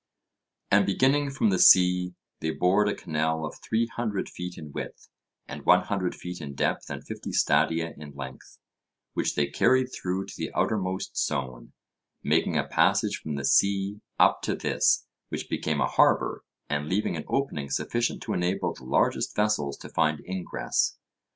And beginning from the sea they bored a canal of three hundred feet in width and one hundred feet in depth and fifty stadia in length, which they carried through to the outermost zone, making a passage from the sea up to this, which became a harbour, and leaving an opening sufficient to enable the largest vessels to find ingress.